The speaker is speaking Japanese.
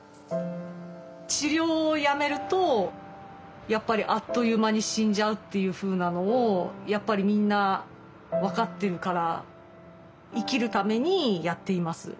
治療をやめるとやっぱりあっという間に死んじゃうっていうふうなのをやっぱりみんな分かってるから。